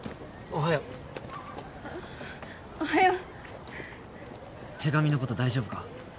おはよう手紙のこと大丈夫か？